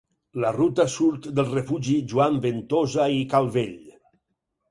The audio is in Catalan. La ruta surt del Refugi Joan Ventosa i Calvell.